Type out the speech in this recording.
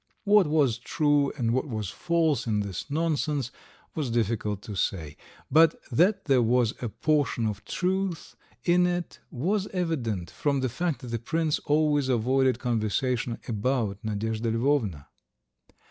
What was true and what was false in this nonsense was difficult to say. But that there was a portion of truth in it was evident, from the fact that the prince always avoided conversation about Nadyezhda Lvovna.